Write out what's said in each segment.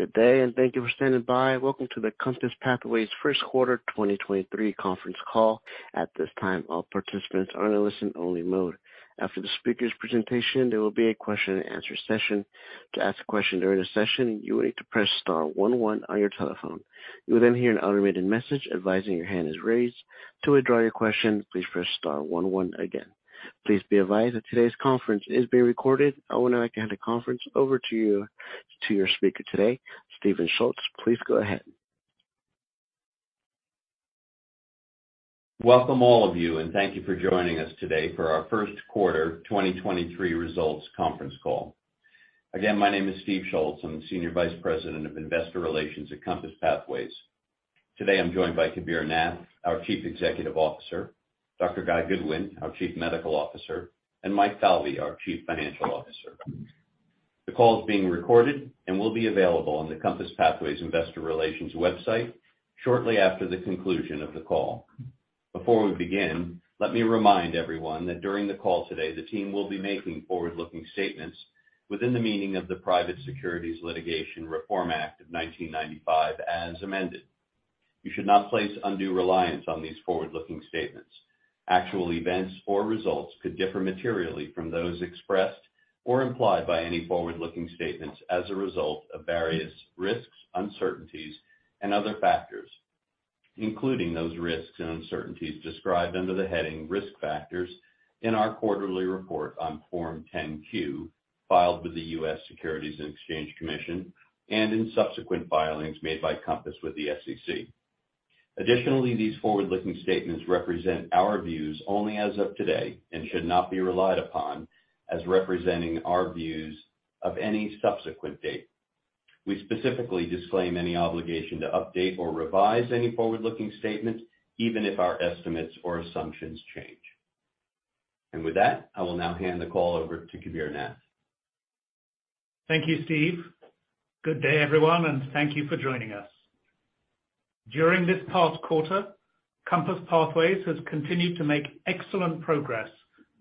Good day. Thank you for standing by. Welcome to the Compass Pathways Q1 2023 conference call. At this time, all participants are in a listen-only mode. After the speaker's presentation, there will be a question and answer session. To ask a question during the session, you will need to press star one one on your telephone. You will hear an automated message advising your hand is raised. To withdraw your question, please press star one one again. Please be advised that today's conference is being recorded. I would now like to hand the conference over to your speaker today, Steve Schultz. Please go ahead. Welcome all of you, and thank you for joining us today for our Q1 2023 results conference call. Again, my name is Steve Schultz. I'm Senior Vice President of Investor Relations at Compass Pathways. Today I'm joined by Kabir Nath, our Chief Executive Officer, Dr. Guy Goodwin, our Chief Medical Officer, and Mike Falvey, our Chief Financial Officer. The call is being recorded and will be available on the Compass Pathways investor relations website shortly after the conclusion of the call. Before we begin, let me remind everyone that during the call today, the team will be making forward-looking statements within the meaning of the Private Securities Litigation Reform Act of 1995, as amended. You should not place undue reliance on these forward-looking statements. Actual events or results could differ materially from those expressed or implied by any forward-looking statements as a result of various risks, uncertainties, and other factors, including those risks and uncertainties described under the heading Risk Factors in our quarterly report on Form 10-Q filed with the U.S. Securities and Exchange Commission and in subsequent filings made by Compass Pathways with the SEC. Additionally, these forward-looking statements represent our views only as of today and should not be relied upon as representing our views of any subsequent date. We specifically disclaim any obligation to update or revise any forward-looking statements, even if our estimates or assumptions change. With that, I will now hand the call over to Kabir Nath. Thank you, Steve. Good day, everyone, and thank you for joining us. During this past quarter, Compass Pathways has continued to make excellent progress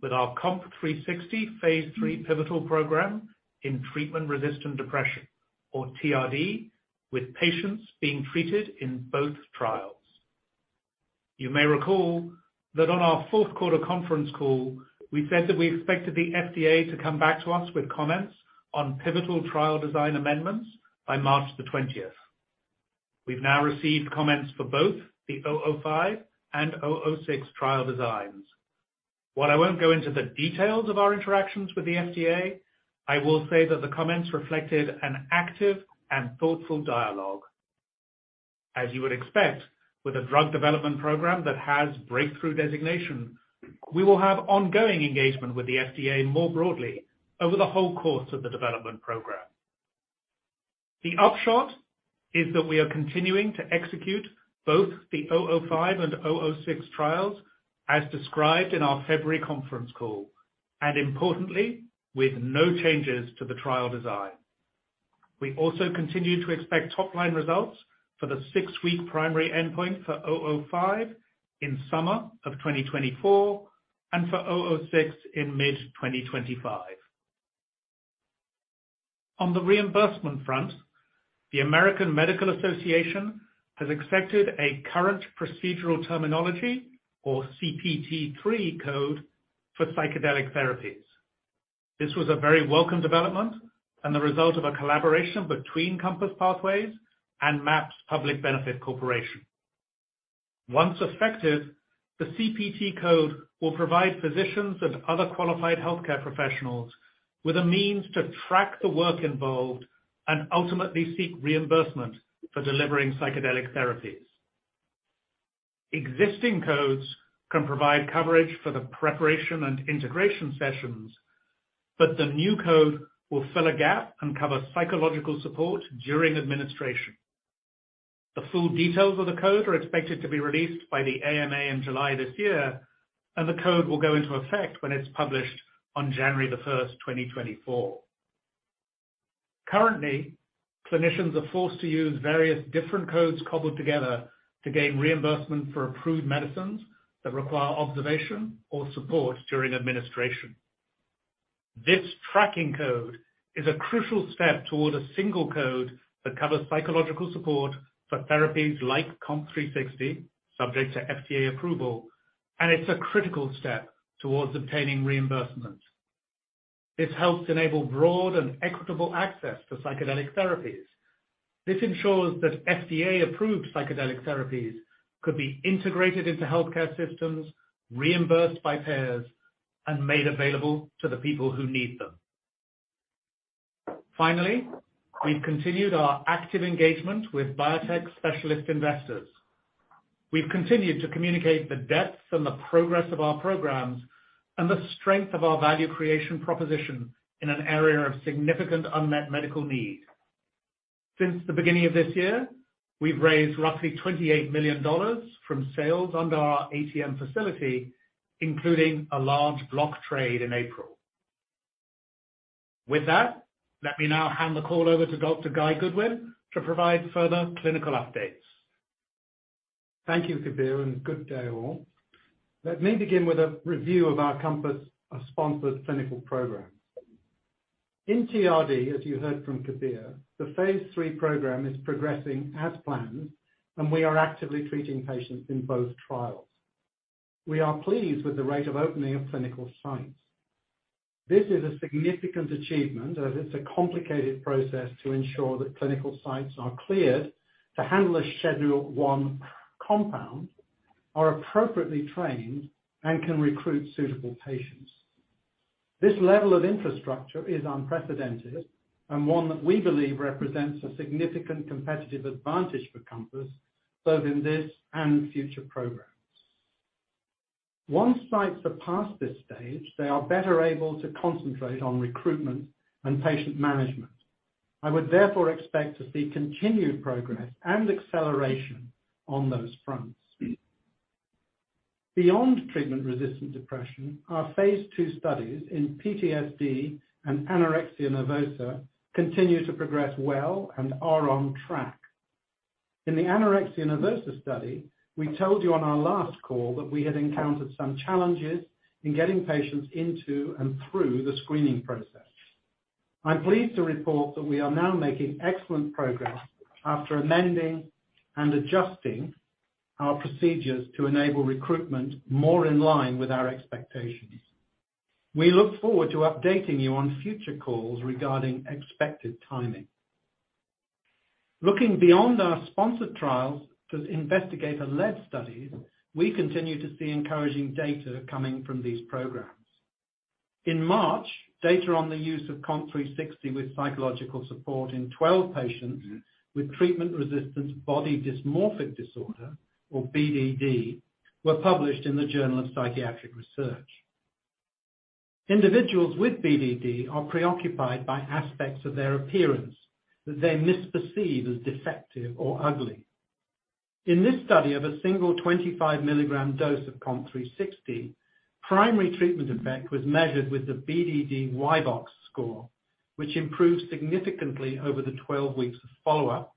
with our COMP360 phase III pivotal program in treatment-resistant depression, or TRD, with patients being treated in both trials. You may recall that on our Q4 conference call, we said that we expected the FDA to come back to us with comments on pivotal trial design amendments by March 20. We've now received comments for both the COMP005 and COMP006 trial designs. While I won't go into the details of our interactions with the FDA, I will say that the comments reflected an active and thoughtful dialogue. As you would expect with a drug development program that has Breakthrough designation, we will have ongoing engagement with the FDA more broadly over the whole course of the development program. The upshot is that we are continuing to execute both the COMP005 and COMP006 trials as described in our February conference call. Importantly, with no changes to the trial design. We also continue to expect top-line results for the six-week primary endpoint for COMP005 in summer of 2024 and for COMP006 in mid-2025. On the reimbursement front, the American Medical Association has accepted a current procedural terminology or CPT III code for psychedelic therapies. This was a very welcome development and the result of a collaboration between Compass Pathways and MAPS Public Benefit Corporation. Once effective, the CPT code will provide physicians and other qualified healthcare professionals with a means to track the work involved and ultimately seek reimbursement for delivering psychedelic therapies. Existing codes can provide coverage for the preparation and integration sessions, the new code will fill a gap and cover psychological support during administration. The full details of the code are expected to be released by the AMA in July this year, and the code will go into effect when it's published on January 1, 2024. Currently, clinicians are forced to use various different codes cobbled together to gain reimbursement for approved medicines that require observation or support during administration. This tracking code is a crucial step toward a single code that covers psychological support for therapies like COMP360, subject to FDA approval, and it's a critical step towards obtaining reimbursement. This helps enable broad and equitable access to psychedelic therapies. This ensures that FDA-approved psychedelic therapies could be integrated into healthcare systems, reimbursed by payers, and made available to the people who need them. Finally, we've continued our active engagement with biotech specialist investors. We've continued to communicate the depth and the progress of our programs and the strength of our value creation proposition in an area of significant unmet medical need. Since the beginning of this year, we've raised roughly $28 million from sales under our ATM facility, including a large block trade in April. With that, let me now hand the call over to Dr. Guy Goodwin to provide further clinical updates. Thank you, Kabir, and good day all. Let me begin with a review of our Compass-sponsored clinical program. In TRD, as you heard from Kabir, the phase III program is progressing as planned and we are actively treating patients in both trials. We are pleased with the rate of opening of clinical sites. This is a significant achievement as it's a complicated process to ensure that clinical sites are cleared to handle a Schedule I compound, are appropriately trained, and can recruit suitable patients. This level of infrastructure is unprecedented and one that we believe represents a significant competitive advantage for Compass, both in this and future programs. Once sites are past this stage, they are better able to concentrate on recruitment and patient management. I would therefore expect to see continued progress and acceleration on those fronts. Beyond treatment-resistant depression, our phase II studies in PTSD and anorexia nervosa continue to progress well and are on track. In the anorexia nervosa study, we told you on our last call that we had encountered some challenges in getting patients into and through the screening process. I'm pleased to report that we are now making excellent progress after amending and adjusting our procedures to enable recruitment more in line with our expectations. We look forward to updating you on future calls regarding expected timing. Looking beyond our sponsored trials to investigator-led studies, we continue to see encouraging data coming from these programs. In March, data on the use of COMP360 with psychological support in 12 patients with treatment-resistant body dysmorphic disorder, or BDD, were published in the Journal of Psychiatric Research. Individuals with BDD are preoccupied by aspects of their appearance that they misperceive as defective or ugly. In this study of a single 25 mg dose of COMP360, primary treatment effect was measured with the BDD-YBOCS score, which improved significantly over the 12 weeks of follow-up,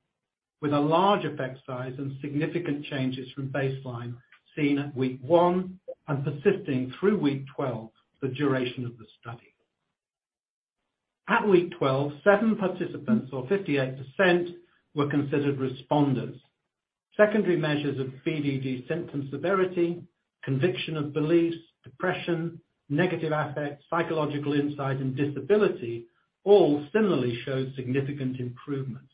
with a large effect size and significant changes from baseline seen at week one and persisting through week 12, the duration of the study. At week 12, seven participants or 58% were considered responders. Secondary measures of BDD symptom severity, conviction of beliefs, depression, negative affect, psychological insight, and disability all similarly showed significant improvement.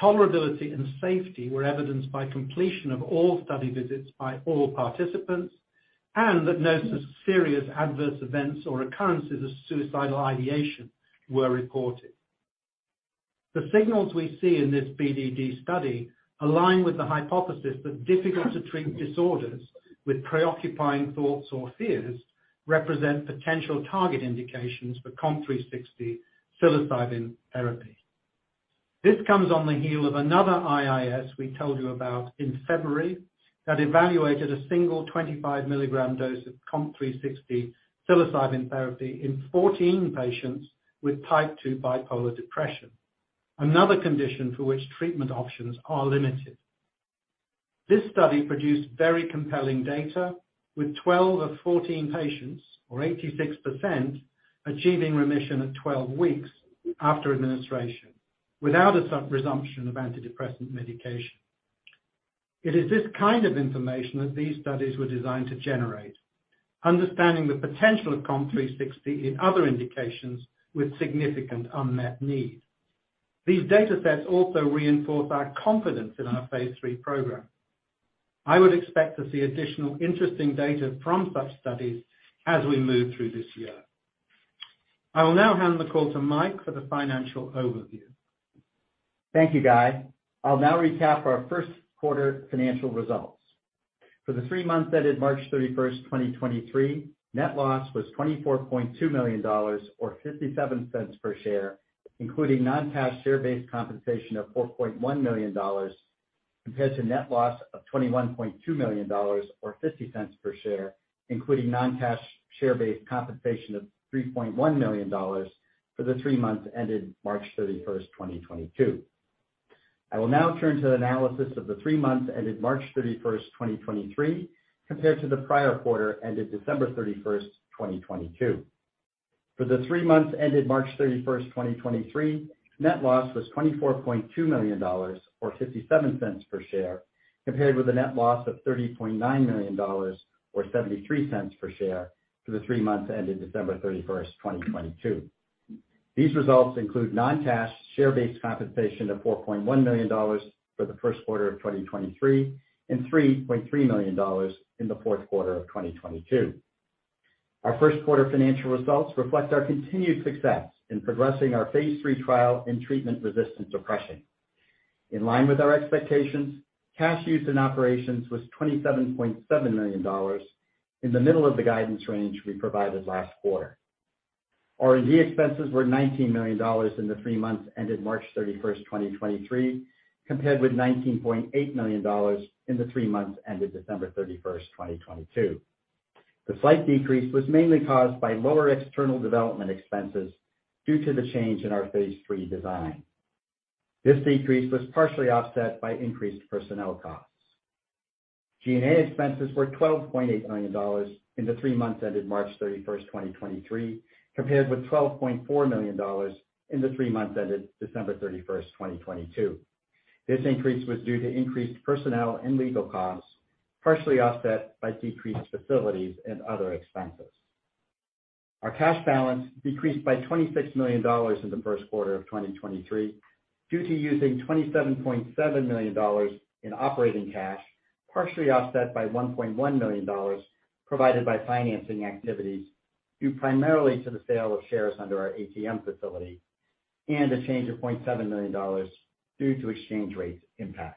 Tolerability and safety were evidenced by completion of all study visits by all participants and that no serious adverse events or occurrences of suicidal ideation were reported. The signals we see in this BDD study align with the hypothesis that difficult-to-treat disorders with preoccupying thoughts or fears represent potential target indications for COMP360 psilocybin therapy. This comes on the heel of another IIS we told you about in February that evaluated a single 25 mg dose of COMP360 psilocybin therapy in 14 patients with Type 2 bipolar depression, another condition for which treatment options are limited. This study produced very compelling data with 12 of 14 patients or 86% achieving remission at 12 weeks after administration without a resumption of antidepressant medication. It is this kind of information that these studies were designed to generate, understanding the potential of COMP360 in other indications with significant unmet need. These data sets also reinforce our confidence in our phase III program. I would expect to see additional interesting data from such studies as we move through this year. I will now hand the call to Mike for the financial overview. Thank you, Guy. I'll now recap our Q1 financial results. For the three months ended March 31, 2023, net loss was $24.2 million or $0.57 per share, including non-cash share-based compensation of $4.1 million compared to net loss of $21.2 million or $0.50 per share, including non-cash share-based compensation of $3.1 million for the three months ended March 31, 2022. I will now turn to the analysis of the three months ended March 31, 2023 compared to the prior quarter ended December 31, 2022. For the three months ended March 31, 2023, net loss was $24.2 million or $0.57 per share compared with a net loss of $39.0 million or $0.73 per share for the three months ended December 31, 2022. These results include non-cash share-based compensation of $4.1 million for the Q1 of 2023 and $3.3 million in the Q4 of 2022. Our Q1 financial results reflect our continued success in progressing our phase III trial in treatment-resistant depression. In line with our expectations, cash use in operations was $27.7 million in the middle of the guidance range we provided last quarter. Our R&D expenses were $19 million in the three months ended March 31, 2023, compared with $19.8 million in the three months ended December 31, 2022. The slight decrease was mainly caused by lower external development expenses due to the change in our phase III design. This decrease was partially offset by increased personnel costs. G&A expenses were $12.8 million in the three months ended March 31, 2023, compared with $12.4 million in the three months ended December 31, 2022. This increase was due to increased personnel and legal costs, partially offset by decreased facilities and other expenses. Our cash balance decreased by $26 million in the Q1 of 2023 due to using $27.7 million in operating cash, partially offset by $1.1 million provided by financing activities due primarily to the sale of shares under our ATM facility and a change of $0.7 million due to exchange rate impacts.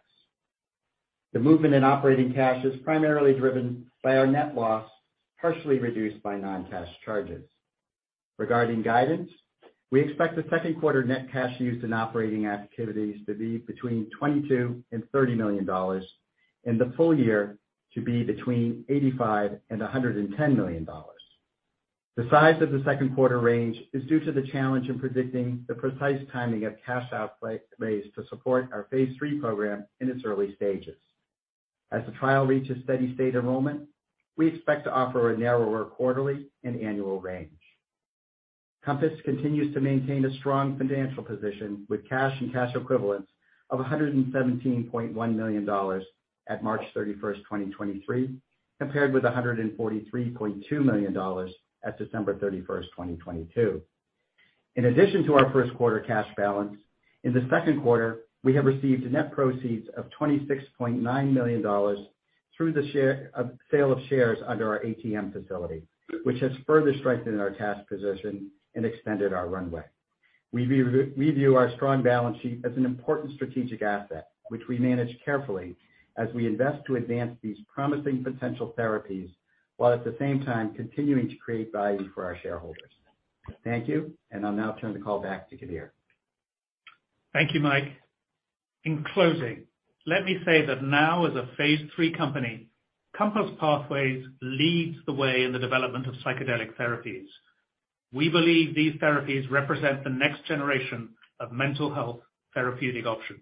The movement in operating cash is primarily driven by our net loss, partially reduced by non-cash charges. Regarding guidance, we expect the Q2 net cash used in operating activities to be between $22 million and $30 million, and the full year to be between $85 million and $110 million. The size of the Q2 range is due to the challenge in predicting the precise timing of cash raise to support our phase III program in its early stages. As the trial reaches steady state enrollment, we expect to offer a narrower quarterly and annual range. Compass continues to maintain a strong financial position with cash and cash equivalents of $117.1 million at March 31, 2023, compared with $143.2 million at December 31, 2022. In addition to our Q1 cash balance, in the Q2, we have received net proceeds of $26.9 million through the share sale of shares under our ATM facility, which has further strengthened our cash position and extended our runway. We view our strong balance sheet as an important strategic asset, which we manage carefully as we invest to advance these promising potential therapies, while at the same time continuing to create value for our shareholders. Thank you. I'll now turn the call back to Kabir. Thank you, Mike. In closing, let me say that now as a phase III company, Compass Pathways leads the way in the development of psychedelic therapies. We believe these therapies represent the next generation of mental health therapeutic options.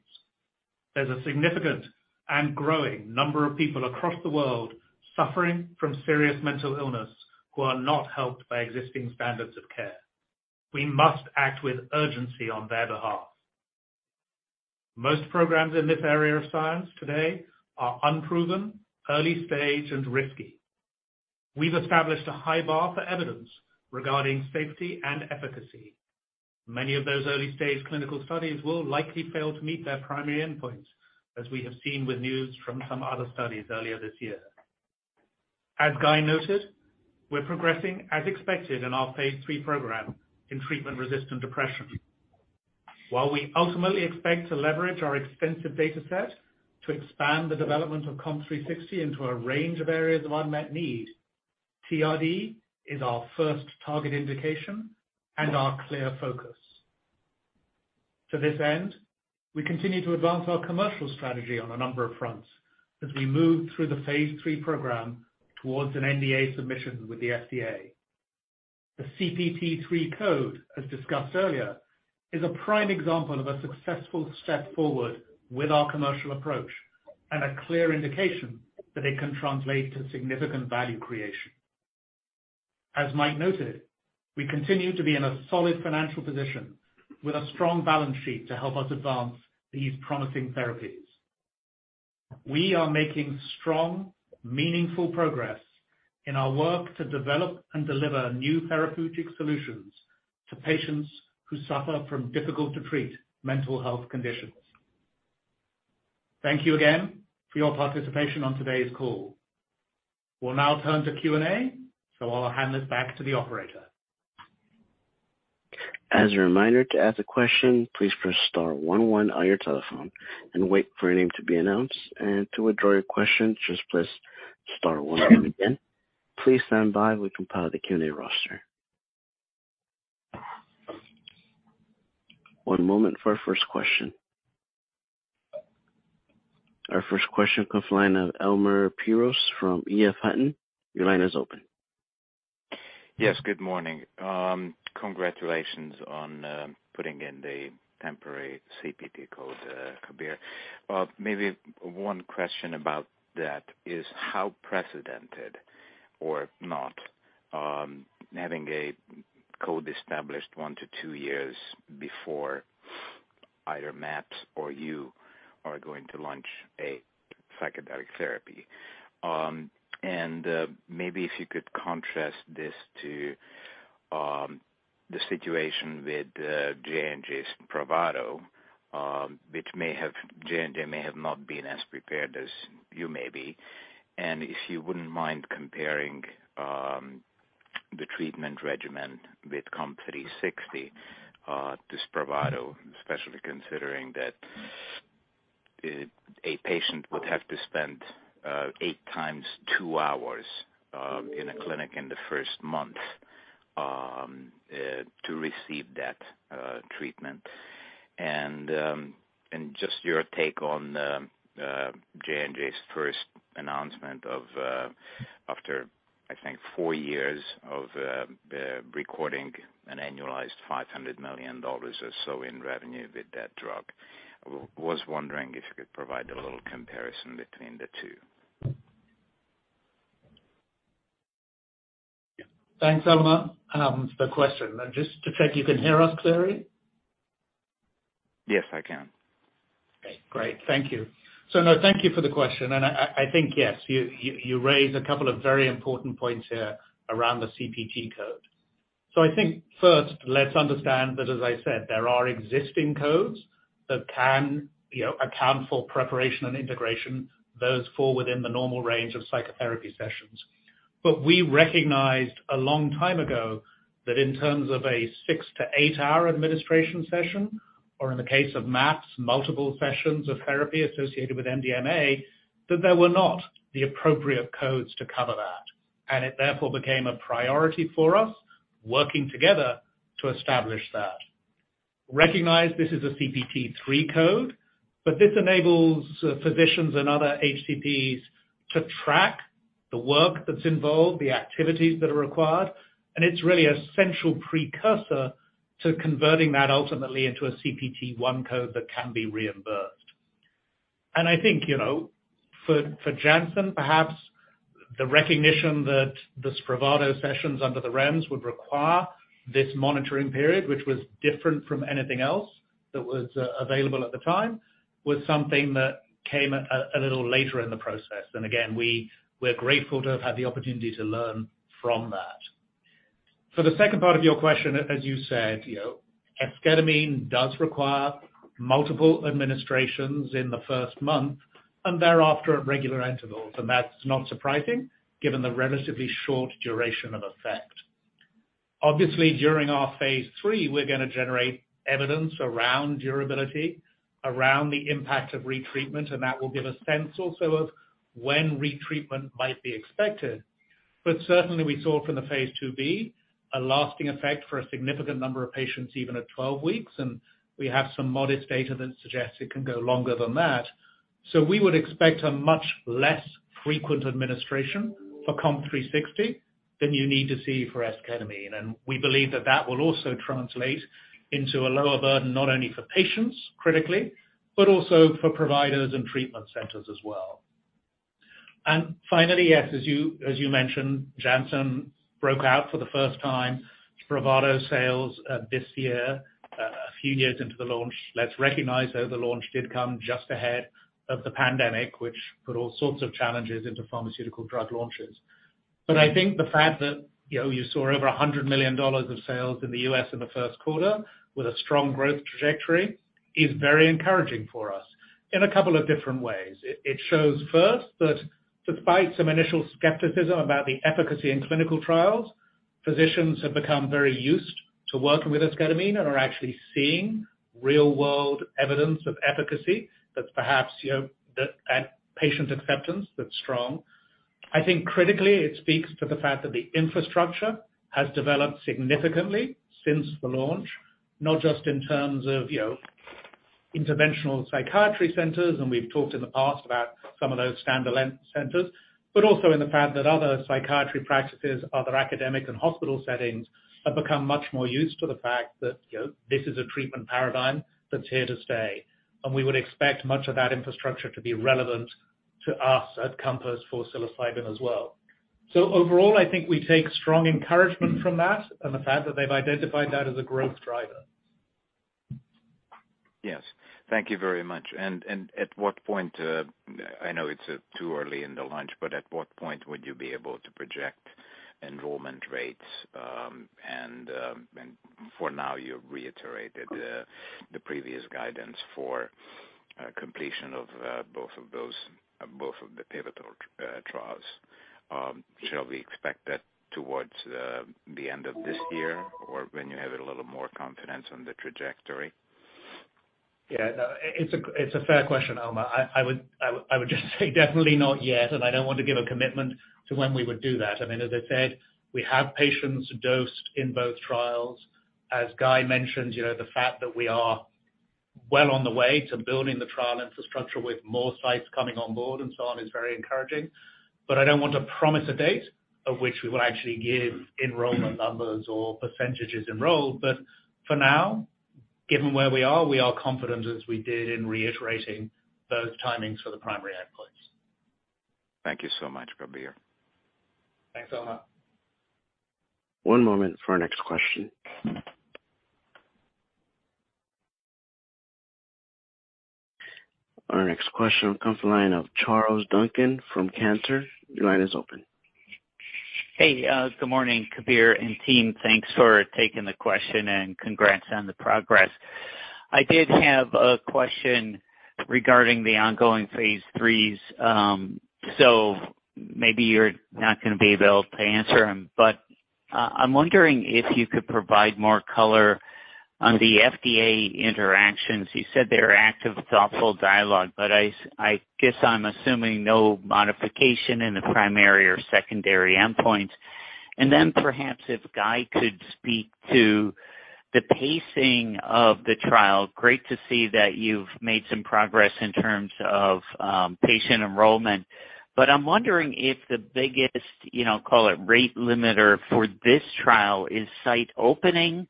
There's a significant and growing number of people across the world suffering from serious mental illness who are not helped by existing standards of care. We must act with urgency on their behalf. Most programs in this area of science today are unproven, early stage and risky. We've established a high bar for evidence regarding safety and efficacy. Many of those early stage clinical studies will likely fail to meet their primary endpoints, as we have seen with news from some other studies earlier this year. As Guy noted, we're progressing as expected in our phase III program in treatment-resistant depression. While we ultimately expect to leverage our extensive dataset to expand the development of COMP360 into a range of areas of unmet need, TRD is our first target indication and our clear focus. To this end, we continue to advance our commercial strategy on a number of fronts as we move through the phase III program towards an NDA submission with the FDA. The CPT III code, as discussed earlier, is a prime example of a successful step forward with our commercial approach and a clear indication that it can translate to significant value creation. As Mike noted, we continue to be in a solid financial position with a strong balance sheet to help us advance these promising therapies. We are making strong, meaningful progress in our work to develop and deliver new therapeutic solutions to patients who suffer from difficult-to-treat mental health conditions. Thank you again for your participation on today's call. We'll now turn to Q&A. I'll hand this back to the operator. As a reminder to ask a question, please press star one one on your telephone and wait for your name to be announced. To withdraw your question, just press star one one again. Please stand by while we compile the Q&A roster. One moment for our first question. Our first question comes line of Elemer Piros from EF Hutton. Your line is open. Yes, good morning. Congratulations on putting in the temporary CPT code, Kabir. Maybe one question about that is how precedented or not, having a code established 1 to 2 years before either MAPS or you are going to launch a psychedelic therapy. Maybe if you could contrast this to the situation with J&J's Spravato, which J&J may have not been as prepared as you may be. If you wouldn't mind comparing the treatment regimen with COMP360 to Spravato, especially considering that a patient would have to spend 8x two hours in a clinic in the first month to receive that treatment. Just your take on J&J's first announcement, after, I think, four years of recording an annualized $500 million or so in revenue with that drug. Was wondering if you could provide a little comparison between the two? Thanks, Elmer, for the question. Just to check, you can hear us clearly? Yes, I can. Okay, great. Thank you. No, thank you for the question. I think, yes, you raise a couple of very important points here around the CPT code. I think first, let's understand that, as I said, there are existing codes that can, you know, account for preparation and integration, those fall within the normal range of psychotherapy sessions. We recognized a long time ago that in terms of a six to eight-hour administration session, or in the case of MAPS, multiple sessions of therapy associated with MDMA, that there were not the appropriate codes to cover that. It therefore became a priority for us working together to establish that. Recognize this is a CPT III code. This enables physicians and other HCPs to track the work that's involved, the activities that are required, and it's really a central precursor to converting that ultimately into a CPT I code that can be reimbursed. I think, you know, for Janssen, perhaps the recognition that the Spravato sessions under the REMS would require this monitoring period, which was different from anything else that was available at the time, was something that came a little later in the process. Again, we're grateful to have had the opportunity to learn from that. For the second part of your question, as you said, you know, esketamine does require multiple administrations in the first month and thereafter at regular intervals. That's not surprising given the relatively short duration of effect. Obviously, during our phase III, we're going to generate evidence around durability, around the impact of retreatment. That will give a sense also of when retreatment might be expected. Certainly we saw from the phase II-B a lasting effect for a significant number of patients even at 12 weeks. We have some modest data that suggests it can go longer than that. We would expect a much less frequent administration for COMP360 than you need to see for esketamine. We believe that that will also translate into a lower burden, not only for patients critically, but also for providers and treatment centers as well. Finally, yes, as you, as you mentioned, Janssen broke out for the first time Spravato sales this year, a few years into the launch. Let's recognize though the launch did come just ahead of the pandemic, which put all sorts of challenges into pharmaceutical drug launches. I think the fact that, you know, you saw over $100 million of sales in the U.S. in the Q1 with a strong growth trajectory is very encouraging for us in a couple of different ways. It shows first that despite some initial skepticism about the efficacy in clinical trials, physicians have become very used to working with esketamine and are actually seeing real world evidence of efficacy that perhaps, you know, the patient acceptance that's strong. I think critically it speaks to the fact that the infrastructure has developed significantly since the launch, not just in terms of, you know, interventional psychiatry centers, and we've talked in the past about some of those standalone centers, but also in the fact that other psychiatry practices, other academic and hospital settings, have become much more used to the fact that, you know, this is a treatment paradigm that's here to stay. We would expect much of that infrastructure to be relevant to us at Compass for psilocybin as well. Overall, I think we take strong encouragement from that and the fact that they've identified that as a growth driver. Yes. Thank you very much. At what point, I know it's too early in the launch, but at what point would you be able to project enrollment rates? For now you've reiterated the previous guidance for completion of both of those, both of the pivotal trials. Shall we expect that towards the end of this year or when you have a little more confidence on the trajectory? Yeah, no, it's a fair question, Elmer. I would just say definitely not yet, and I don't want to give a commitment to when we would do that. I mean, as I said, we have patients dosed in both trials. As Guy mentioned, you know, the fact that we are well on the way to building the trial infrastructure with more sites coming on board and so on is very encouraging. I don't want to promise a date of which we will actually give enrollment numbers or percentages enrolled. For now, given where we are, we are confident as we did in reiterating those timings for the primary endpoints. Thank you so much, Kabir. Thanks, Elmer. One moment for our next question. Our next question comes the line of Charles Duncan from Cantor. Your line is open. Hey, good morning, Kabir and team. Thanks for taking the question and congrats on the progress. I did have a question regarding the ongoing phase IIIs. Maybe you're not gonna be able to answer them, but I'm wondering if you could provide more color on the FDA interactions, you said they're active, thoughtful dialogue, but I guess I'm assuming no modification in the primary or secondary endpoints. Perhaps if Guy could speak to the pacing of the trial. Great to see that you've made some progress in terms of patient enrollment. I'm wondering if the biggest, you know, call it rate limiter for this trial is site opening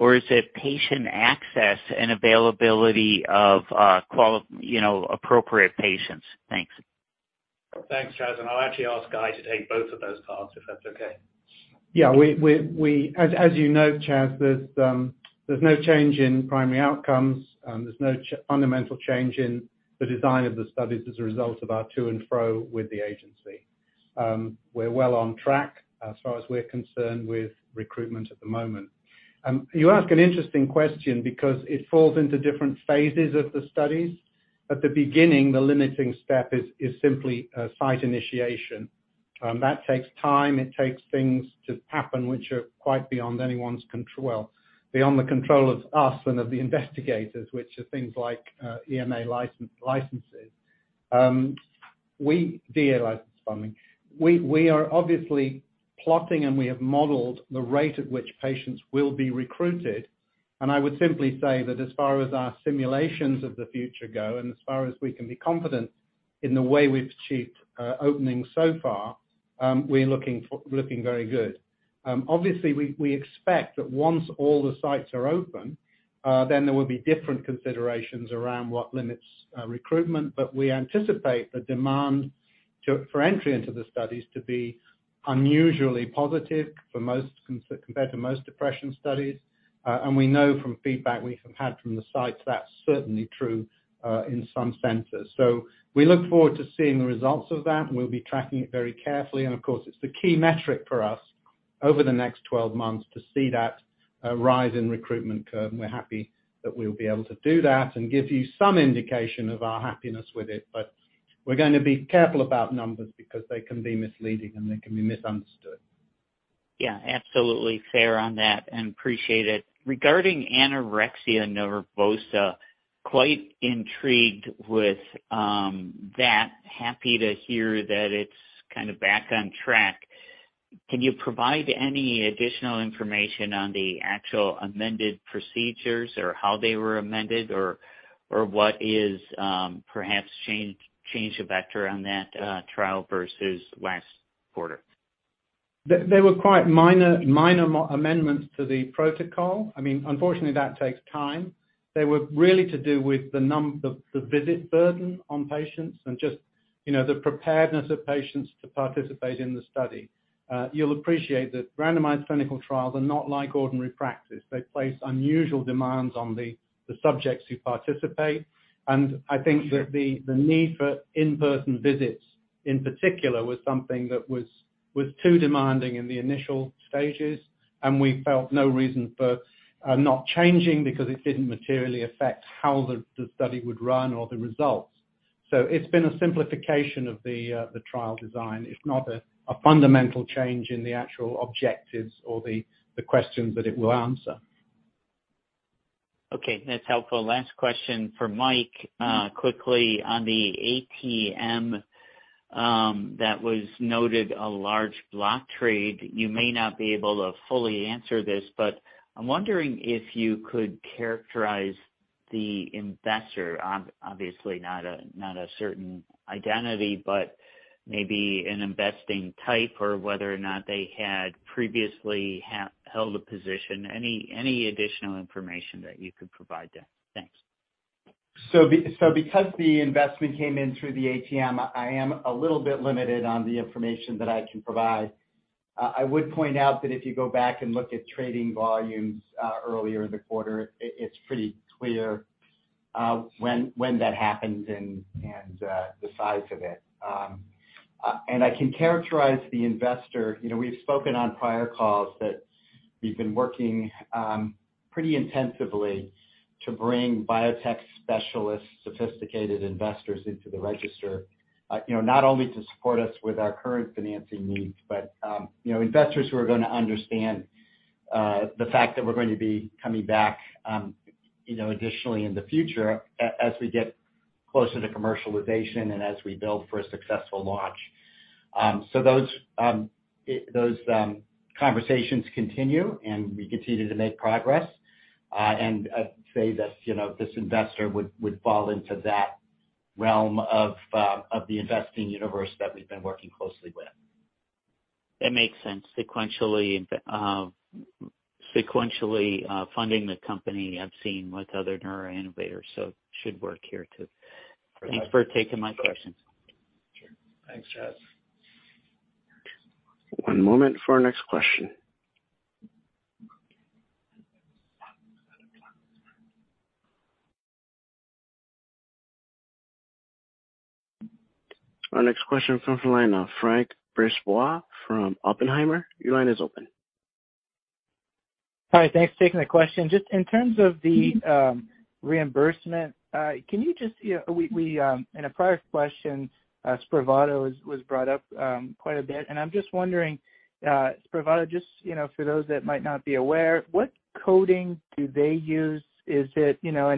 or is it patient access and availability of, you know, appropriate patients? Thanks. Thanks, Charles, and I'll actually ask Guy to take both of those parts if that's okay? Yeah. As you know, Charles, there's no change in primary outcomes, there's no fundamental change in the design of the studies as a result of our to and fro with the agency. We're well on track as far as we're concerned with recruitment at the moment. You ask an interesting question because it falls into different phases of the studies. At the beginning, the limiting step is simply site initiation. That takes time. It takes things to happen which are quite beyond anyone's control. Well, beyond the control of us and of the investigators, which are things like EMA licenses. DEA license funding. We are obviously plotting and we have modeled the rate at which patients will be recruited. I would simply say that as far as our simulations of the future go and as far as we can be confident in the way we've achieved opening so far, we're looking very good. Obviously we expect that once all the sites are open, then there will be different considerations around what limits recruitment. We anticipate the demand for entry into the studies to be unusually positive for most compared to most depression studies. We know from feedback we have had from the sites, that's certainly true in some centers. We look forward to seeing the results of that, and we'll be tracking it very carefully. Of course, it's the key metric for us over the next 12 months to see that rise in recruitment curve. We're happy that we'll be able to do that and give you some indication of our happiness with it. We're gonna be careful about numbers because they can be misleading and they can be misunderstood. Yeah, absolutely fair on that. Appreciate it. Regarding anorexia nervosa, quite intrigued with that. Happy to hear that it's kind of back on track. Can you provide any additional information on the actual amended procedures or how they were amended or what is perhaps changed a vector on that trial versus last quarter? They were quite minor amendments to the protocol. I mean, unfortunately, that takes time. They were really to do with the visit burden on patients and just, you know, the preparedness of patients to participate in the study. You'll appreciate that randomized clinical trials are not like ordinary practice. They place unusual demands on the subjects who participate. I think that the need for in-person visits in particular was something that was too demanding in the initial stages, and we felt no reason for, not changing because it didn't materially affect how the study would run or the results. It's been a simplification of the trial design, if not a fundamental change in the actual objectives or the questions that it will answer. Okay. That's helpful. Last question for Mike. Quickly on the ATM, that was noted a large block trade. You may not be able to fully answer this, but I'm wondering if you could characterize the investor. Obviously not a certain identity, but maybe an investing type or whether or not they had previously held a position. Any additional information that you could provide there. Thanks. Because the investment came in through the ATM, I am a little bit limited on the information that I can provide. I would point out that if you go back and look at trading volumes, earlier in the quarter, it's pretty clear when that happened and the size of it. I can characterize the investor. You know, we've spoken on prior calls that we've been working pretty intensively to bring biotech specialists, sophisticated investors into the register. You know, not only to support us with our current financing needs, but, you know, investors who are gonna understand the fact that we're going to be coming back, you know, additionally in the future as we get closer to commercialization and as we build for a successful launch. Those conversations continue, and we continue to make progress. I'd say that, you know, this investor would fall into that realm of the investing universe that we've been working closely with. That makes sense. Sequentially, funding the company I've seen with other neuro innovators. Should work here too. Thanks for taking my questions. Sure. Thanks, Charles. One moment for our next question. Our next question from the line of Frank Brisebois from Oppenheimer. Your line is open. Hi. Thanks for taking the question. Just in terms of the reimbursement, can you just, you know, we in a prior question, Spravato was brought up quite a bit. I'm just wondering, Spravato just, you know, for those that might not be aware, what coding do they use? Is it, you know,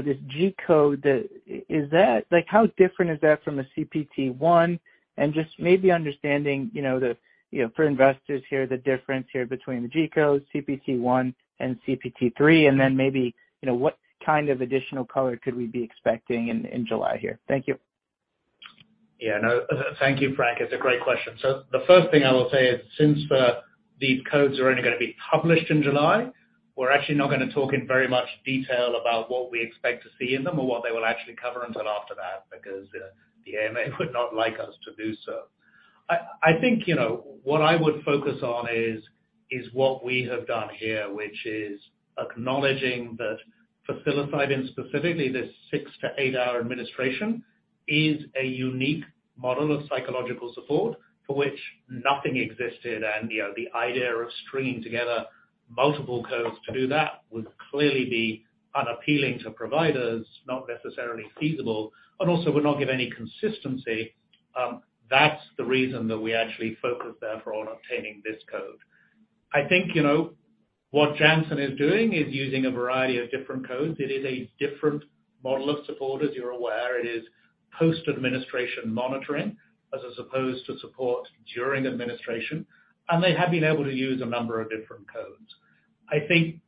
this G-code that is that like, how different is that from a CPT I? And just maybe understanding, you know, the, you know, for investors here, the difference here between the G-code, CPT I, and CPT III, and then maybe, you know, what kind of additional color could we be expecting in July here? Thank you. Yeah, no. Thank you, Frank. It's a great question. The first thing I will say is, since these codes are only going to be published in July, we're actually not going to talk in very much detail about what we expect to see in them or what they will actually cover until after that, because, you know, the AMA would not like us to do so. I think, you know, what I would focus on is what we have done here, which is acknowledging that for psilocybin specifically, this six to eight-hour administration is a unique model of psychological support for which nothing existed. You know, the idea of stringing together multiple codes to do that would clearly be unappealing to providers, not necessarily feasible, and also would not give any consistency. That's the reason that we actually focused therefore on obtaining this code. I think, you know, what Janssen is doing is using a variety of different codes. It is a different model of support, as you're aware. It is post-administration monitoring as opposed to support during administration. They have been able to use a number of different codes. I think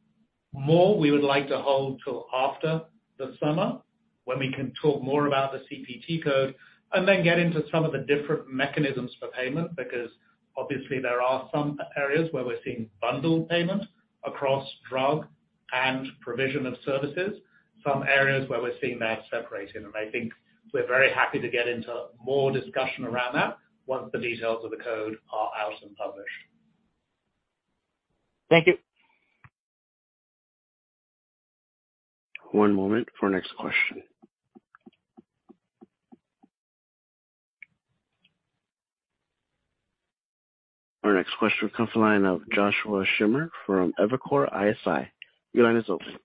more we would like to hold till after the summer when we can talk more about the CPT code and then get into some of the different mechanisms for payment. Obviously there are some areas where we're seeing bundled payment across drug and provision of services, some areas where we're seeing that separated. I think we're very happy to get into more discussion around that once the details of the code are out and published. Thank you. One moment for next question. Our next question comes the line of Josh Schimmer from Evercore ISI. Your line is open.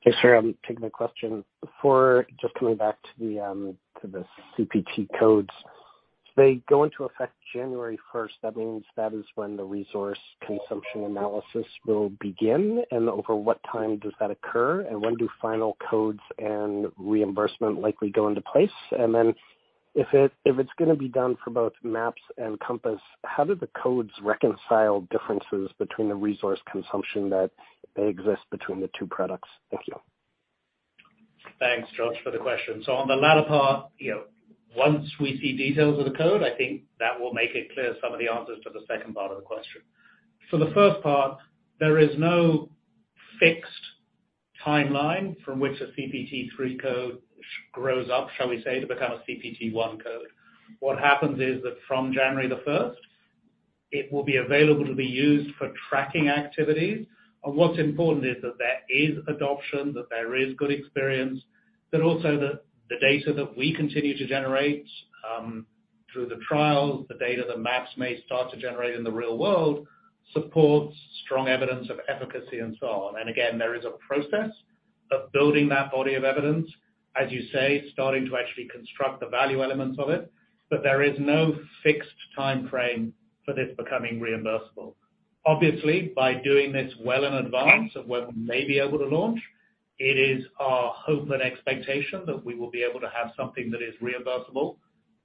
Hey, sir. I'm taking the question. Before just coming back to the to the CPT codes. If they go into effect January 1, that means that is when the resource consumption analysis will begin. Over what time does that occur, and when do final codes and reimbursement likely go into place? If it's gonna be done for both MAPS and Compass, how do the codes reconcile differences between the resource consumption that may exist between the two products? Thank you. Thanks, Josh, for the question. On the latter part, you know, once we see details of the code, I think that will make it clear some of the answers to the second part of the question. For the first part, there is no fixed timeline from which a CPT III code grows up, shall we say, to become a CPT I code. What happens is that from January 1, it will be available to be used for tracking activities. What's important is that there is adoption, that there is good experience, but also that the data that we continue to generate through the trials, the data that MAPS may start to generate in the real world supports strong evidence of efficacy and so on. Again, there is a process of building that body of evidence. As you say, starting to actually construct the value elements of it, but there is no fixed timeframe for this becoming reimbursable. Obviously, by doing this well in advance of when we may be able to launch, it is our hope and expectation that we will be able to have something that is reimbursable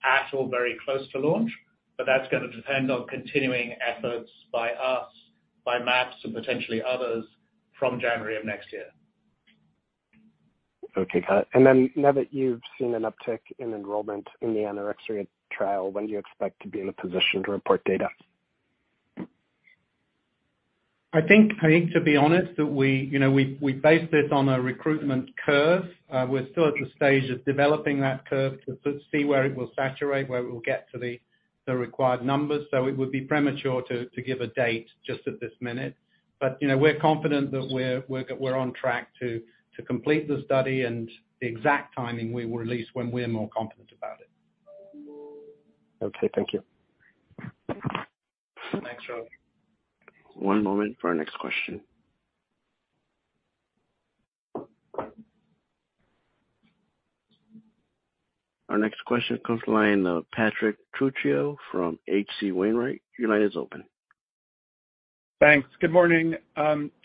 at or very close to launch, but that's gonna depend on continuing efforts by us, by MAPS, and potentially others from January of next year. Okay, got it. Now that you've seen an uptick in enrollment in the anorexia trial, when do you expect to be in a position to report data? I think to be honest, that we, you know, we base this on a recruitment curve. We're still at the stage of developing that curve to see where it will saturate, where we'll get to the required numbers. It would be premature to give a date just at this minute. You know, we're confident that we're on track to complete the study and the exact timing we will release when we're more confident about it. Okay, thank you. Thanks, Josh. One moment for our next question. Our next question comes from the line of Patrick Trucchio from H.C. Wainwright. Your line is open. Thanks. Good morning.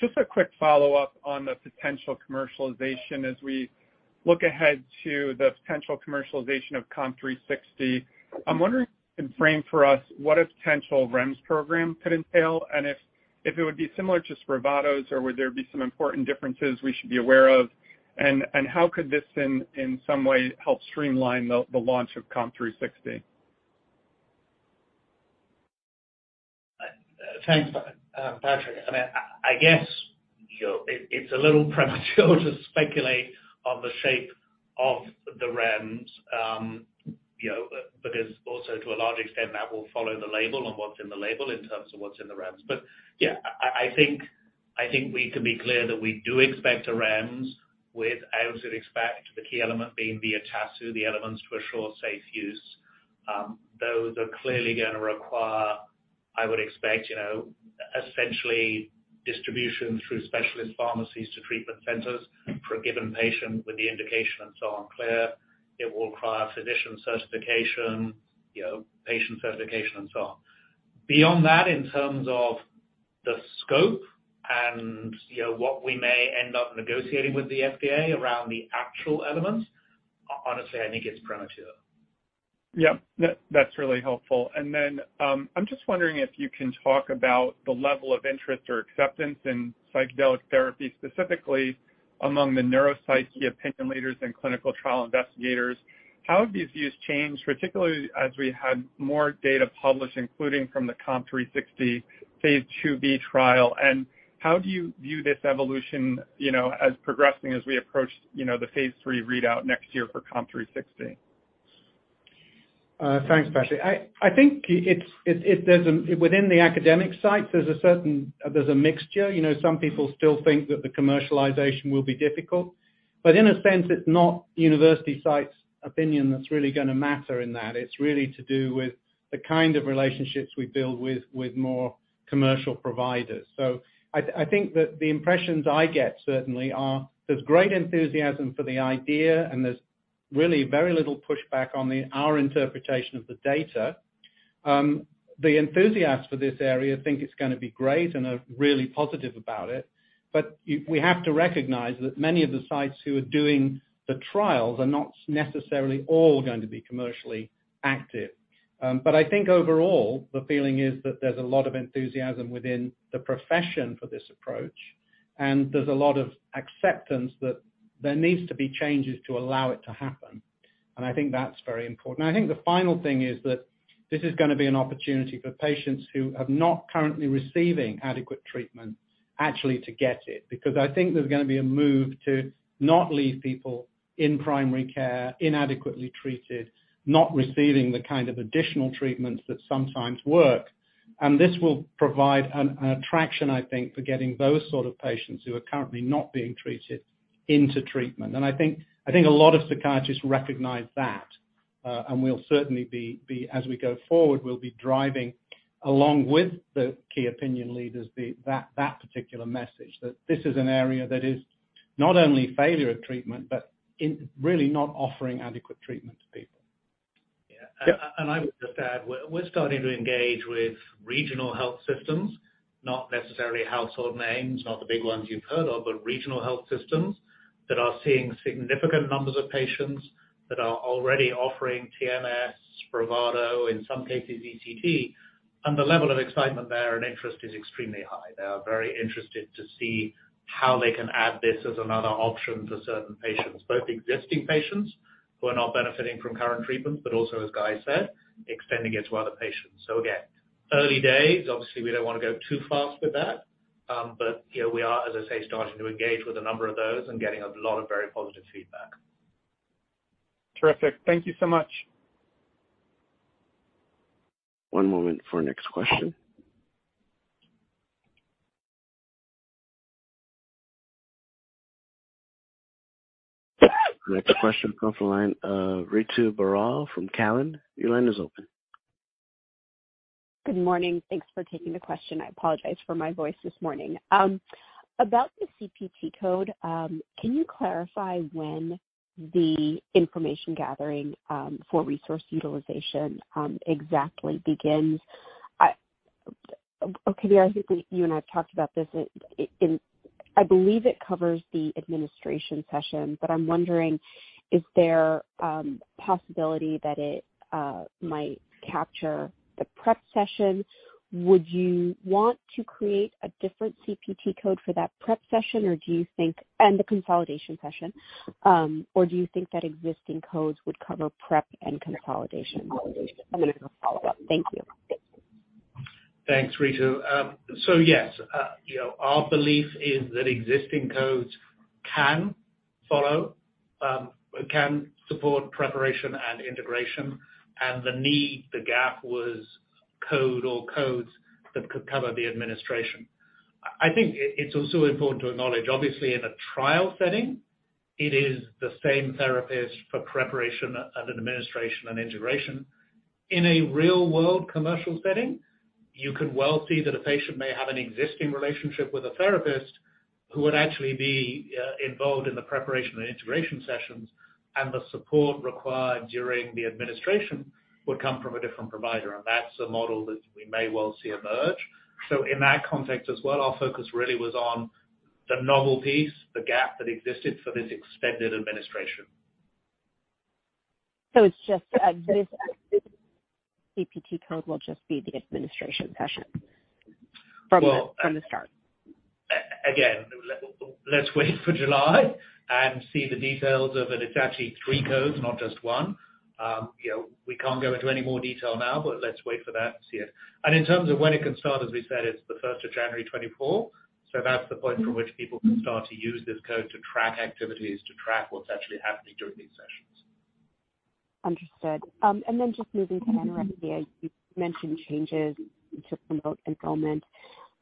Just a quick follow-up on the potential commercialization. As we look ahead to the potential commercialization of COMP360, I'm wondering if you could frame for us what a potential REMS program could entail and if it would be similar to Spravato's or would there be some important differences we should be aware of? How could this in some way help streamline the launch of COMP360? Thanks, Patrick. I mean, I guess, you know, it's a little premature to speculate on the shape of the REMS. You know, because also to a large extent, that will follow the label and what's in the label in terms of what's in the REMS. Yeah, I think, I think we can be clear that we do expect a REMS with, as you'd expect, the key element being the ETASU, the elements to assure safe use. Those are clearly going to require, I would expect, you know, essentially distribution through specialist pharmacies to treatment centers for a given patient with the indication and so on clear. It will require physician certification, you know, patient certification and so on. Beyond that, in terms of the scope and, you know, what we may end up negotiating with the FDA around the actual elements, honestly, I think it's premature. Yeah. That's really helpful. I'm just wondering if you can talk about the level of interest or acceptance in psychedelic therapy, specifically among the neuropsyche opinion leaders and clinical trial investigators. How have these views changed, particularly as we had more data published, including from the COMP360 phase II-B trial? How do you view this evolution, you know, as progressing as we approach, you know, the phase III readout next year for COMP360? Thanks, Patrick. I think it's, within the academic sites, there's a certain, there's a mixture. You know, some people still think that the commercialization will be difficult. In a sense, it's not university sites' opinion that's really gonna matter in that. It's really to do with the kind of relationships we build with more commercial providers. I think that the impressions I get certainly are there's great enthusiasm for the idea, and there's really very little pushback on the, our interpretation of the data. The enthusiasts for this area think it's gonna be great and are really positive about it. We have to recognize that many of the sites who are doing the trials are not necessarily all going to be commercially active. I think overall, the feeling is that there's a lot of enthusiasm within the profession for this approach, and there's a lot of acceptance that there needs to be changes to allow it to happen. I think that's very important. I think the final thing is that this is gonna be an opportunity for patients who have not currently receiving adequate treatment actually to get it. Because I think there's gonna be a move to not leave people in primary care inadequately treated, not receiving the kind of additional treatments that sometimes work. This will provide an attraction, I think, for getting those sort of patients who are currently not being treated into treatment. I think a lot of psychiatrists recognize that, and we'll certainly be as we go forward, we'll be driving along with the key opinion leaders, that particular message. That this is an area that is not only failure of treatment but in really not offering adequate treatment to people. Yeah. Yeah. I would just add, we're starting to engage with regional health systems. Not necessarily household names, not the big ones you've heard of, but regional health systems that are seeing significant numbers of patients that are already offering TMS, Spravato, in some cases ECT. The level of excitement there and interest is extremely high. They are very interested to see how they can add this as another option for certain patients. Both existing patients who are not benefiting from current treatments, but also, as Guy said, extending it to other patients. Again, early days. Obviously, we don't wanna go too fast with that. You know, we are, as I say, starting to engage with a number of those and getting a lot of very positive feedback. Terrific. Thank you so much. One moment for next question. Next question comes from the line of Ritu Baral from Cowen. Your line is open. Good morning. Thanks for taking the question. I apologize for my voice this morning. About the CPT code, can you clarify when the information gathering for resource utilization exactly begins? Or Kabir, I think that you and I have talked about this. It, and I believe it covers the administration session. I'm wondering, is there possibility that it might capture the prep session? Would you want to create a different CPT code for that prep session, or do you think and the consolidation session. Do you think that existing codes would cover prep and consolidation? I'm gonna go follow up. Thank you. Thanks, Ritu. So yes. you know, our belief is that existing codes can follow, can support preparation and integration. The need, the gap was code or codes that could cover the administration. I think it's also important to acknowledge, obviously in a trial setting, it is the same therapist for preparation and administration and integration. In a real-world commercial setting, you could well see that a patient may have an existing relationship with a therapist who would actually be involved in the preparation and integration sessions, and the support required during the administration would come from a different provider. That's a model that we may well see emerge. In that context as well, our focus really was on the novel piece, the gap that existed for this extended administration. It's just, this CPT code will just be the administration session. Well- From the start. Again, let's wait for July and see the details of it. It's actually three codes, not just one. You know, we can't go into any more detail now, but let's wait for that to see it. In terms of when it can start, as we said, it's the January 1, 2024. That's the point from which people can start to use this code to track activities, to track what's actually happening during these sessions. Understood. Just moving to TRD. You mentioned changes to promote enrollment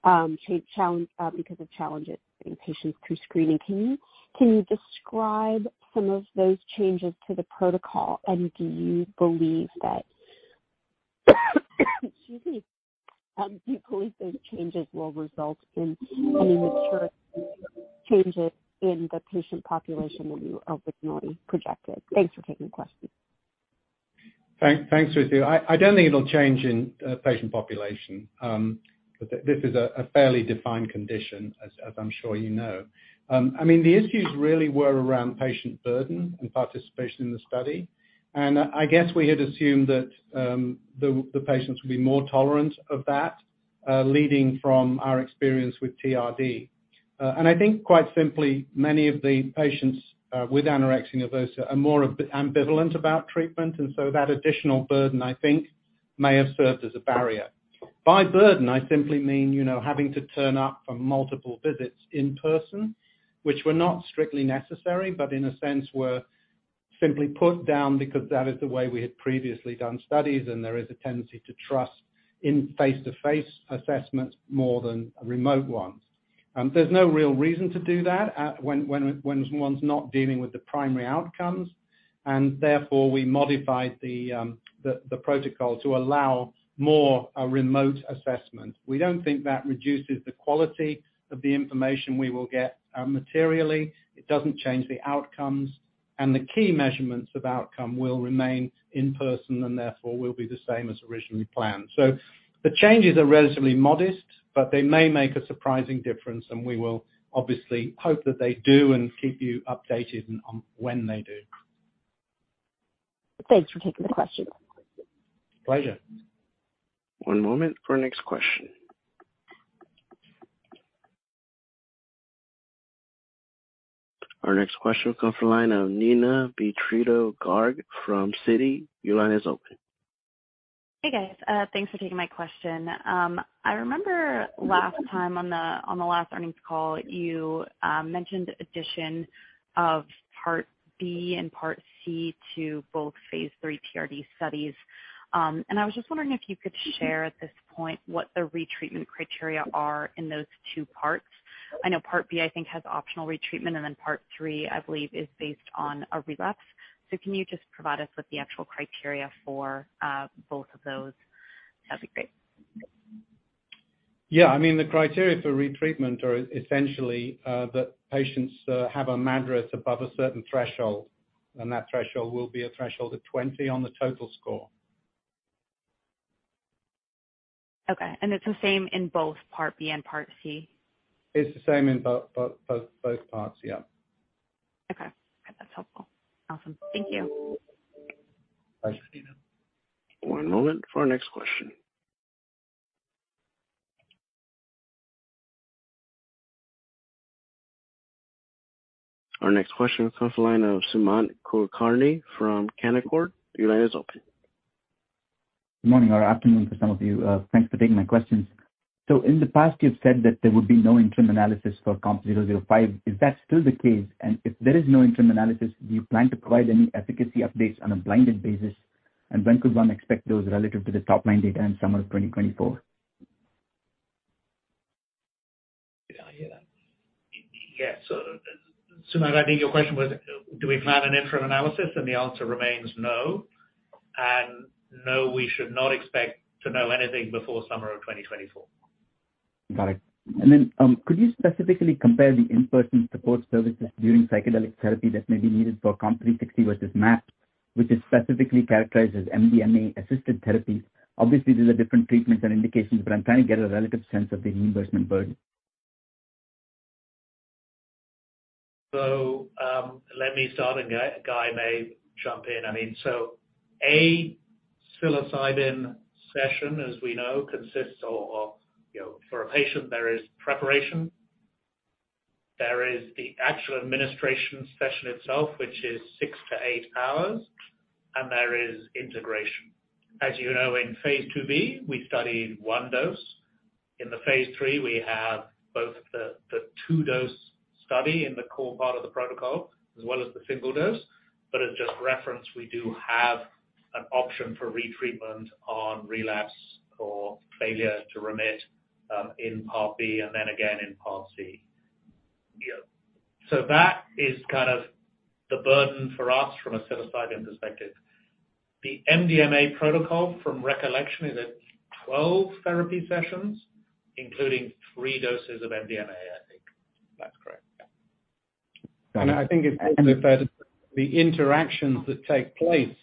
because of challenges getting patients through screening. Can you describe some of those changes to the protocol, and do you believe that, excuse me, do you believe those changes will result in any material changes in the patient population when you originally projected? Thanks for taking the question. Thanks, Ritu. I don't think it'll change in patient population. This is a fairly defined condition as I'm sure you know. I mean, the issues really were around patient burden and participation in the study. I guess we had assumed that the patients would be more tolerant of that, leading from our experience with TRD. I think quite simply, many of the patients with anorexia nervosa are more ambivalent about treatment, so that additional burden, I think, may have served as a barrier. By burden, I simply mean, you know, having to turn up for multiple visits in person, which were not strictly necessary, but in a sense were simply put down because that is the way we had previously done studies. There is a tendency to trust in face-to-face assessments more than remote ones. There's no real reason to do that when one's not dealing with the primary outcomes, and therefore we modified the protocol to allow more remote assessment. We don't think that reduces the quality of the information we will get materially. It doesn't change the outcomes. The key measurements of outcome will remain in person, and therefore will be the same as originally planned. The changes are relatively modest, but they may make a surprising difference, and we will obviously hope that they do and keep you updated on when they do. Thanks for taking the question. Pleasure. One moment for our next question. Our next question will come from the line of Neena Bitritto-Garg from Citi. Your line is open. Hey, guys. Thanks for taking my question. I remember last time on the, on the last earnings call, you mentioned addition of part B and part C to both phase III TRD studies. I was just wondering if you could share at this point what the retreatment criteria are in those two parts. I know part B I think has optional retreatment, and then part three I believe is based on a relapse. Can you just provide us with the actual criteria for both of those? That'd be great. Yeah. I mean, the criteria for retreatment are essentially, that patients, have a MADRS above a certain threshold, and that threshold will be a threshold of 20 on the total score. Okay. It's the same in both part B and part C? It's the same in both parts, yeah. Okay. That's helpful. Awesome. Thank you. Thanks, Nina. One moment for our next question. Our next question comes from the line of Suman Kulkarni from Canaccord. Your line is open. Morning or afternoon for some of you. Thanks for taking my questions. In the past, you've said that there would be no interim analysis for COMP005. Is that still the case? If there is no interim analysis, do you plan to provide any efficacy updates on a blinded basis? When could one expect those relative to the top-line data in summer of 2024? Did I hear that? Yes. Suman, I think your question was, do we plan an interim analysis? The answer remains no. No, we should not expect to know anything before summer of 2024. Got it. Could you specifically compare the in-person support services during psychedelic therapy that may be needed for COMP360 versus MAPS, which is specifically characterized as MDMA-assisted therapies? Obviously, these are different treatments and indications, but I'm trying to get a relative sense of the reimbursement burden. Let me start, and Guy may jump in. I mean, a psilocybin session, as we know, consists of, you know, for a patient, there is preparation. There is the actual administration session itself, which is six to eight hours, and there is integration. As you know, in phase II-B, we studied one dose. In the phase III, we have both the two-dose study in the core part of the protocol as well as the single dose. As just reference, we do have an option for retreatment on relapse or failure to remit, in part B and then again in part C. You know. That is kind of the burden for us from a psilocybin perspective. The MDMA protocol from recollection is at 12 therapy sessions, including three doses of MDMA, I think. That's correct. Yeah. I think it's also fair to say the interactions that take place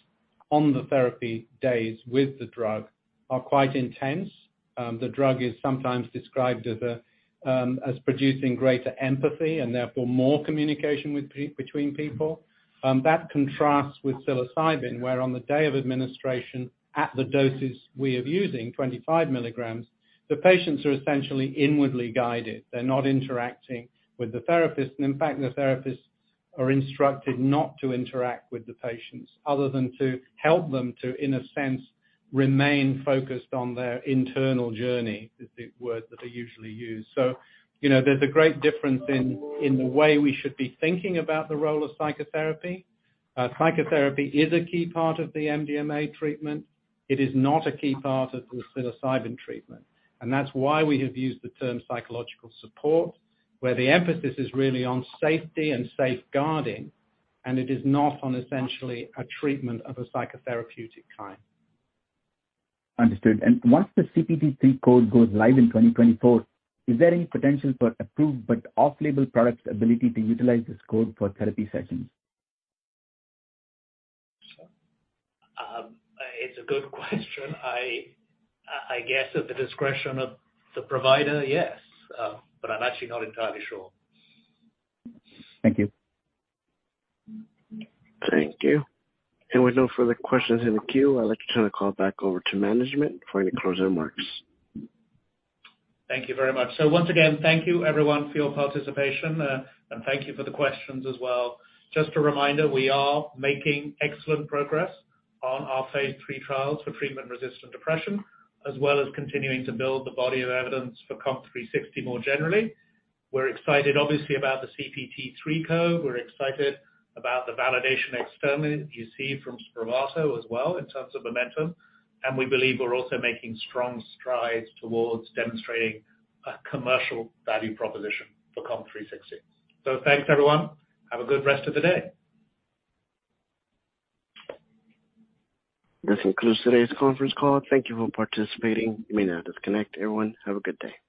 on the therapy days with the drug are quite intense. The drug is sometimes described as producing greater empathy and therefore more communication with between people. That contrasts with psilocybin, where on the day of administration at the doses we are using, 25 mg, the patients are essentially inwardly guided. They're not interacting with the therapist. In fact, the therapists are instructed not to interact with the patients other than to help them to, in a sense, remain focused on their internal journey, is the word that they usually use. You know, there's a great difference in the way we should be thinking about the role of psychotherapy. Psychotherapy is a key part of the MDMA treatment. It is not a key part of the psilocybin treatment, and that's why we have used the term psychological support, where the emphasis is really on safety and safeguarding, and it is not on essentially a treatment of a psychotherapeutic kind. Understood. Once the CPT III code goes live in 2024, is there any potential for approved but off-label products ability to utilize this code for therapy sessions? It's a good question. I guess at the discretion of the provider, yes. I'm actually not entirely sure. Thank you. Thank you. With no further questions in the queue, I'd like to turn the call back over to management for any closing remarks. Thank you very much. Once again, thank you everyone for your participation, and thank you for the questions as well. Just a reminder, we are making excellent progress on our phase III trials for treatment-resistant depression, as well as continuing to build the body of evidence for COMP360 more generally. We're excited obviously about the CPT III code. We're excited about the validation externally that you see from Spravato as well in terms of momentum, and we believe we're also making strong strides towards demonstrating a commercial value proposition for COMP360. Thanks, everyone. Have a good rest of the day. This concludes today's conference call. Thank you for participating. You may now disconnect. Everyone, have a good day.